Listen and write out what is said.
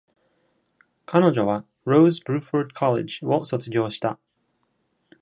彼女は Rose Bruford College を卒業した。